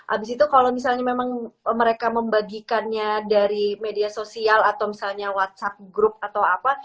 abis itu kalau misalnya memang mereka membagikannya dari media sosial atau misalnya whatsapp group atau apa